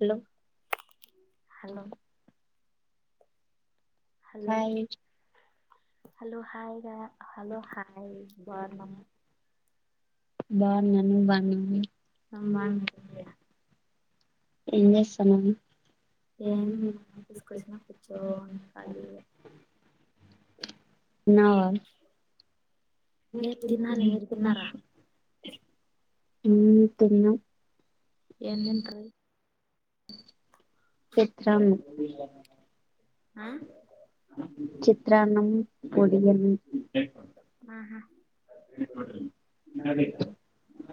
hello bye hello hi గ hello hi బాగున్నాం బాన్నాను బాన్నా ఉ బాన్న ఏం జేస్తన్నావు ఏంటి తీసుకొచ్చినా కుచ్చోని కాలిగా నా న్నా అ తను చిత్రం ఆ చి చిత్రాన్నం పడిం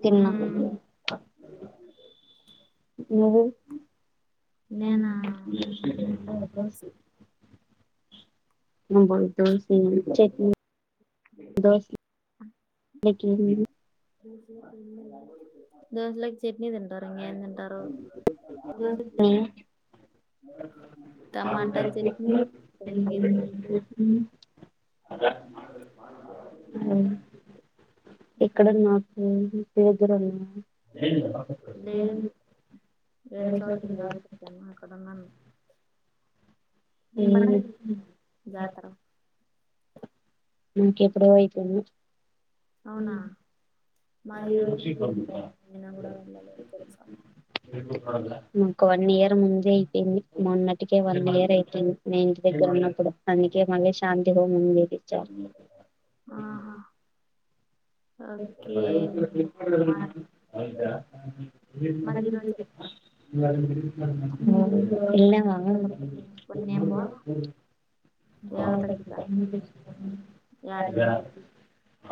తిన్నాం నువ్వు ఏ ఇవాళ దోసి చట్నీ దోసి ప్రతిరోజు దోసి లోకి చట్నీ తింటారా తె టమాటా చట్నీ పల్లి గింజల చెట్నీ అ మన దు వేరే చోటుకి వ్యాపకి పోయిన అక్కడున్నాను హ్మ్ ఇంకెప్పుడో అయితుంది అవునా మరి ఈ రోజు అయినా కూడా వెళ్ళలేదు తెలుసా ఒక వన్ ఇయర్ ముందే అయిపోయింది మొన్నటికే వన్ ఇయర్ అయితుంది నే ఇంటి దగ్గర ఉన్నప్పుడు అందుకే మళ్ళీ శాంతి హోమం చేపిచ్చాం ా ఎల్లా దవత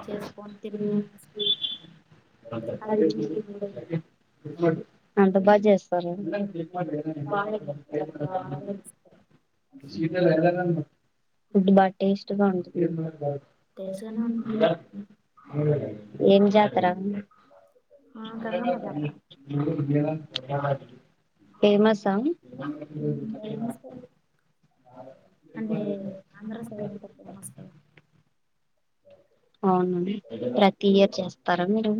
చేస్ కొ ఉమెన్సకి అంత బా చేస్తారు శితల ఎండాకాలము ఫుడ్ బా టెస్ట్ గా ఉంటుంది ఏం జాతర ఫేమస్ హ అంటే ఆంధ్ర సైడ్ అంత ఫేమస్ కదా అవునండి ప్రతి ఇయర్ చేస్తారా మీరు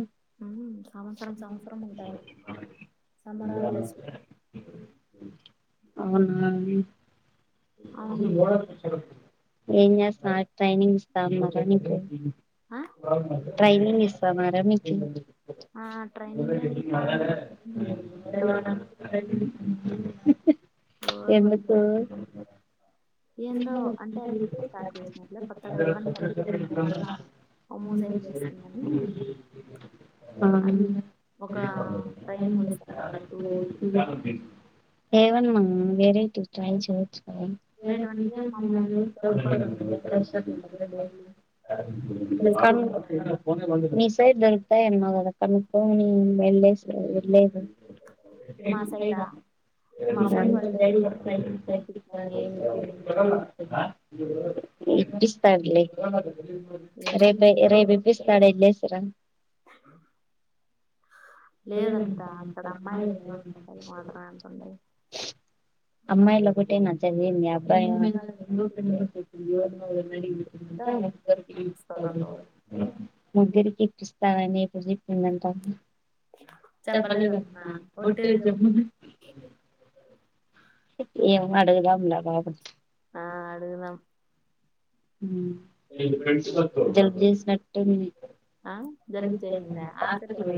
అవునా ఏమి చేస్తన్నారు ట్రైనింగ్ ఇస్తాన్నారా నీకు ట్రైనింగ్ ఇస్తాన్నారా నీకి ఎందుకు ర ఆ ఎవ మ వెరాయిటీ చ భర ప్ర న సైట్ దొరుగుతా ఎమద కనుప మళ్ళ వెళ్ ఇ బిస్తాడ్లి రేబ రేబ బిస్తాడు ఇల్సరా వెంటా అ అమ్మాంట అమ్మ ఎలా కుట్టే నా చదింది అబ్బా ముగరి ముగ్గురికి ఇప్పిస్తానని ఎప్పుడు చెప్పిందంటా ప్ప మట్ట జమ్మ ఏ వాడదు గమ్లా బాబు ఆ అడుగుదాం జబ్ చేసినట్టు స స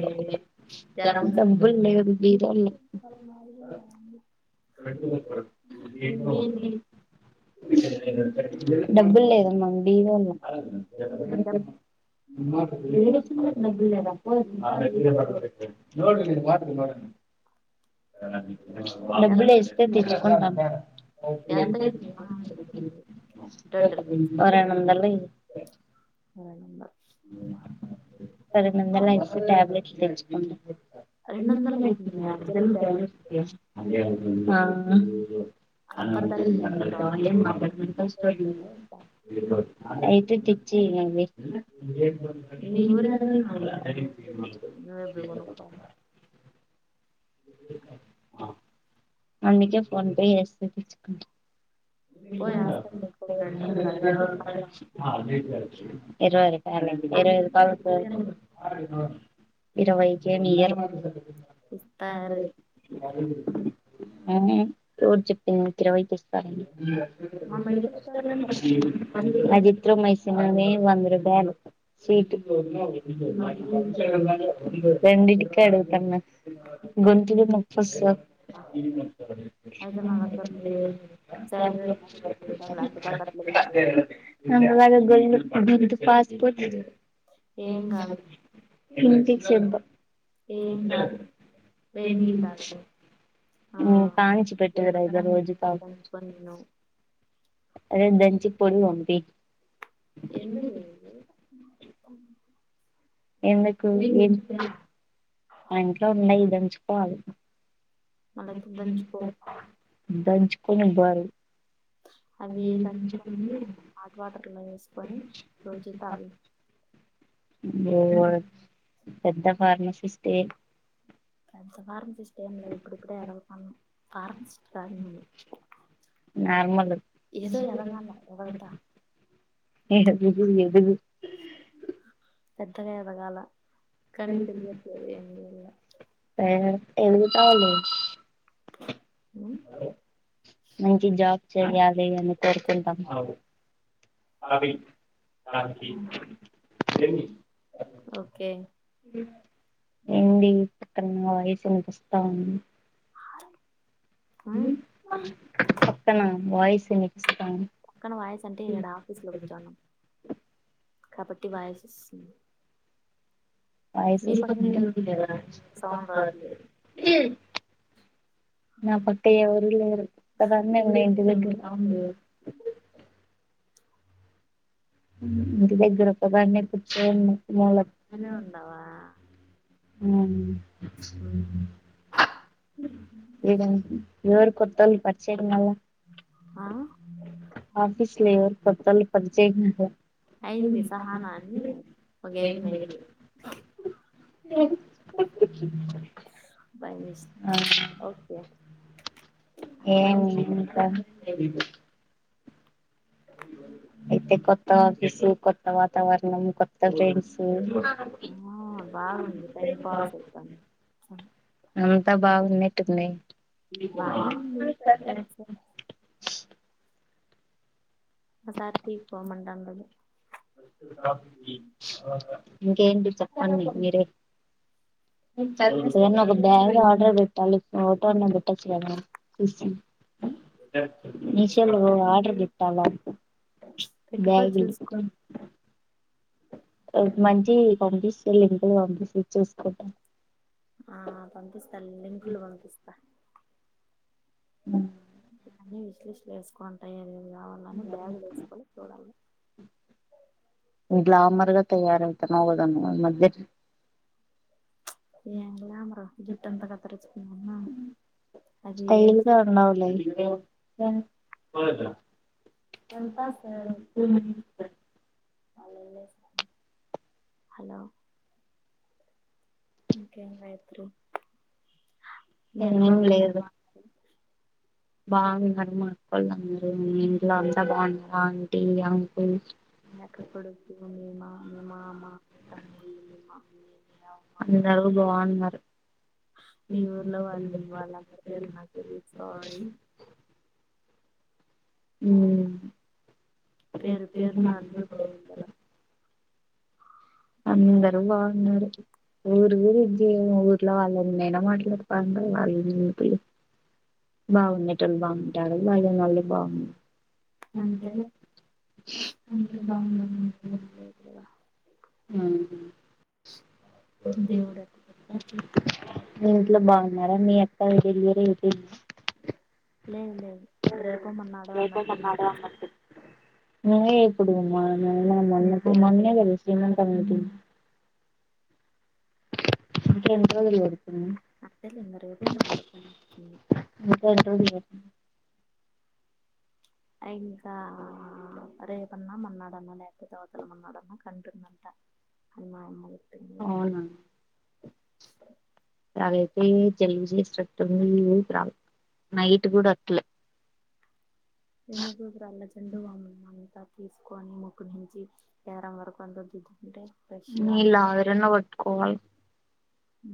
జరం డబ్బు బీరు అద మరి బ బీదాల న నను మా నడ మబ్బళ ఇస్తే తెచ్చుకు వరణందల అనబ పదిెమిడు వందల అయితే ట్యాబ్లెట్లు తెచ్చుకుంట ఎయి అ అయితే తెిచ్చి అందుకే ఫోన్ పే చేస్తే తెచ్చుకుంట ఇరవరాల ఏరవదు కాాల ఇరవైకి మయర్ ఆ రోడ్ చెప్పింది కిరవయితే అజత్ర మైస నవ అంద్ర బేను ీట్ రడిటికా ఎడుతున్నా గుొతులో ము ఫస్ అలాగాే గ ద పా హింత చెబ తె కాణించి పెట్టేదిరా ఇగ రోజు టస్ పన్ననవ్ అరే దంచి పొడి ఉంది ఎందుకు పోయిర్రు ఎందుకు ఆ ఇంట్లో ఉన్నాయిదంచుకోవాలి దంచుకుని బరు అవి దంచుకొని హాట్ వాటర్ లో వేసుకొని రోజు తాగు బ్బో అ పెద్ద ఫార్మసిస్టే ఫార్మసిస్టేంలేదు ఇప్పుడుప్పుడే ఎదుకుతాన్నం ఫార్మసిస్టెంగాదు మేము విష [unintelligible] ఏడగుగు ఎదుగు పెద్దగా ఎదగాల ఆ ఎదుగాతావ్ నువ్వు మంచి జాబ్ చెయ్యాలి అని కోరుకుంటాం అది ఓకే ఏంది పక్కనున్న వాయిస్ ఇనిపిస్త ఉంది హ పక్కన వాయిస్ ఇనిపిస్తావుంది పక్కన వాయస్ అంటే ఈడ ఆఫీస్ లో కూర్చోన్నాం కాబట్టి వాయిస్ వస్తుంది వాయిస్ ఇనిపిస్తావుంది కదా చుట్టు పక్క వాల్ది నా పక్కయవరు లేరు ఒక అమ్మాయి మా ఇంటిదగ్గర ఆమె వేరు అ ఉం ఇంటి దగ్గర ఒకదాన్నే కుర్చోవాలె మూలకు నే ఉండవా ఉమ్ ఇడ ఇవరు కొత్తోళ్ళు పరిచయంగాలే ఆ ఆఫీస్ లో ఎవరు కొత్తోళ్లు పరిచయంగాలే ఏం లేదు [inaudible] బై మిస్ ఓకే ఏం ఇంకా తెలియదు ఉ [inaudible] అయితే కొత్త ఆఫీసు కొత్త వాతావరణం కొత్త ఫ్రెండ్స్ బాగాంది టైం పాస్ అవుతాంది అంతా బాగున్నట్టున్నయి ే [unintelligible] ఆసాతి పోమంటందదే ఇంకేంటి చెప్పండి మీరే ఏన్నో ఒక బ్యాగ్ ఆర్డర్ బె ట్టాలి ఓటోన్న పెట్టచ్చు కదా మీ షోలో ఆర్డర్ పెట్టాలా పెట్టుకో చూసుకో మంచి పంపిస్తు లింపులు పంపిస్త చూసుకుంటాం ఆ పంపిస్తా లింకులు పంపిస్తా అ విశ్లేషణలు వేసుకుంటాయ కావాలని బ్యాగులు వేసుకొని చూడాలి ఇలా మర్గా తయారయితా నవుద ను మధ్య ఏంగ్మ రా జిట్ంత కత్రిచ్చకున్నా తైల్గా ఉండవులే అ హలో ఇంకేంగా ఎత్ర నిమ్లేదు బాగున్నారు మాకన్నారు ఇంట్లో అంతా బాగున్నారు ఆంటీ అంకుల్ లెక్కపడుకు మ మా మీ మామ మీ తమ్ముళ్ళ మీ మమ్మీ అందరూ బాగున్నారు ఇ ఆ పేరు పేరు నా అందరూ బాగున్నారా అందరూ వాడున్నారు ఊరు వరు ఇఊ ఇట్లా వాళ్ళైనా మాట్లాడుకో వాళ్ళ ఇలు బాగున్నటలుు బాగు అ అ నల్ భావ అంట అంట బాగు ఆ ఇలు బాగున్నారుారా మీ అత్త వరల్ర లేదు లేదు రేపు మన్నాడ అన్నట్టుంది న కుడుకుమా న కు తె స అ ఎంతదిలు ఎతు మట్టలి ఎన్న రేపు మాడు పడి అయింకా రేప మన్న డన్నా లేకపోతే అవతల మన్నాడన్నా కంటుందంట అ మా అమ్మలు అవునా ఎగైతే తెలివి చేసటుంది నైట్ కూడా అట్లే ఎందుకు అలజెడు వాముంత తీసుకొని ముొక్కు నుంచి ఎగరం వరకు అంత దిద్దుకుంటే ఇల్ అరన్నా ఒట్కోవాల అ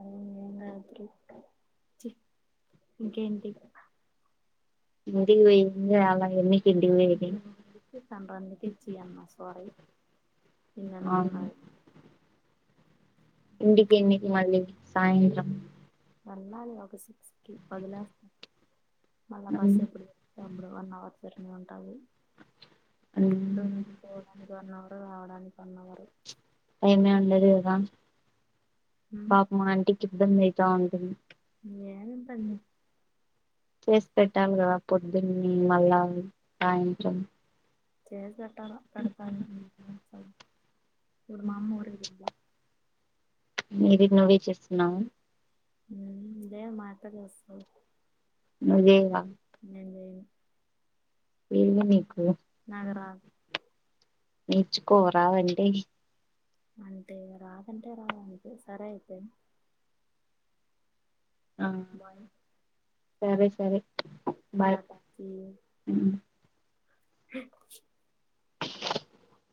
అవు మాత్ర ఇంకేంటి ఇ దవ ఏ అలా ఎన్నికిందిివది పందిచ్చి అమ్మ సారీ పన్న అనుకున్నాి ఇంటికిన్ని మళ్ళీ సాయంత్రం వెళ్ళాలి ఒక సిక్స్కి వదిలేస్త మళ్ళా బస్సు ఎప్పుడు అప్పుడు వన్ అవర్ డానికివనికి పని పవారు టైమే ఉండదు కదా పాప మా ఆంటీకి ఇద్దం మితా ఉంటుంది చేస్ పెట్టాాలప్పుడు దీన్ని మళ్ళా సాయంత్రం చేజ కట్టాలా పెడత నేను ఇప్పుడు మా అమ్మ ఊరికి పోయి మీది నువ్వే చేస్తున్నావు ఉమ్ ఇదే మా అక్క చూస్తు ఉంది నువ్వు చేయవా ఎందీ నీకు నేర్చుకో రావేంటీ అంటే రాదంటే రాదంటే సరే అయితే ఆ సరే సరే బాయ్ ఉమ్ ఇ